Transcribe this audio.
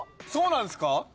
そうなんすか！？